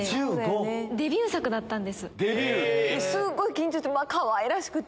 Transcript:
すっごい緊張してかわいらしくて。